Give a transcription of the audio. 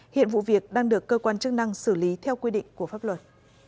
hiện vụ việc đang được cơ quan chức năng xử lý theo quy định của pháp luật